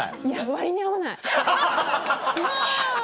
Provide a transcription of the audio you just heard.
割に合わないもう。